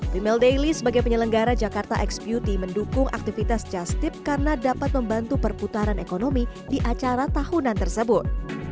remail daily sebagai penyelenggara jakarta x beauty mendukung aktivitas justip karena dapat membantu perputaran ekonomi di acara tahunan tersebut